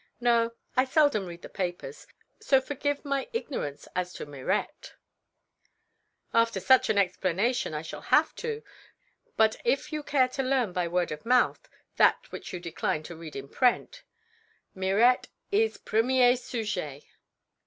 No, I seldom read the papers, so forgive my ignorance as to Mirette." "After such an explanation I shall have to. But if you care to learn by word of mouth that which you decline to read in print, Mirette is premier sujet."